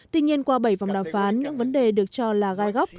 tuy nhiên qua bảy vòng đàm phán những vấn đề được cho là gai góc